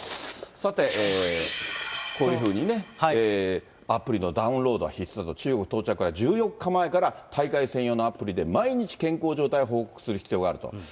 さて、こういうふうにね、アプリのダウンロードは必須だと、中国到着１４日前から、大会専用のアプリで毎日、健康状態を報告する必要があると。